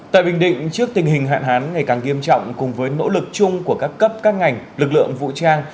tại bình định trước tình hình hạn hán ngày càng nghiêm trọng cùng với nỗ lực chung của các cấp các ngành lực lượng vũ trang